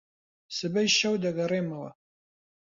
سبەی شەو دەگەڕێمەوە.